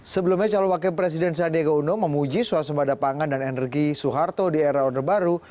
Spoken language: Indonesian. sebelumnya calon wakil presiden sandiaga uno memuji suasana pangan dan energi soeharto di era order baru